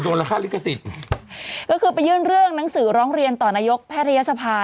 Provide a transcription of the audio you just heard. ราคาลิขสิทธิ์ก็คือไปยื่นเรื่องหนังสือร้องเรียนต่อนายกแพทยศภา